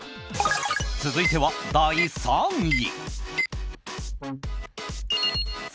続いては第３位。